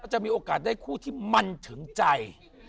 จะมีโอกาสได้คู่ที่มันถึงใจ